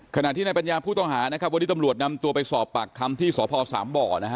ขนาดที่นายปัญญาผู้ต้องหาวันนี้ตำรวจนำตัวไปสอบปากคำที่สบ๓บ